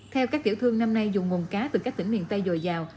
theo các tiểu thương năm nay dùng mùn cá từ các tỉnh miền tây dồi dào